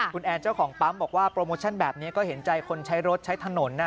คุณแอนเจ้าของปั๊มบอกว่าโปรโมชั่นแบบนี้ก็เห็นใจคนใช้รถใช้ถนน